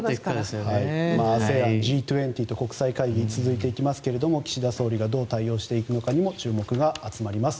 ＡＳＥＡＮ、Ｇ２０と国際会議が続きますが岸田総理がどう対応していくかにも注目が集まります。